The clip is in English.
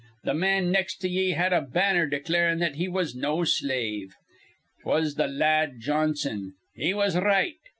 Th' man nex' to ye had a banner declarin' that he was no slave. 'Twas th' la ad Johnson. He was r right.